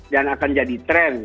dan akan jadi tren